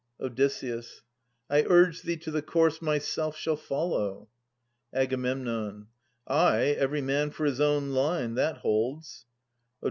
Od. I urge thee to the course myself shall follow. Ag. Ay, every man for his own line ! That holds. Od.